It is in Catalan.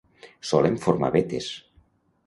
Solen formar vetes.